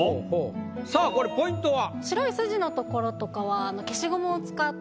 さあこれポイントは？